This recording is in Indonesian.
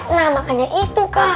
nah makanya itu kak